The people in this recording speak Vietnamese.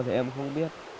thì em không biết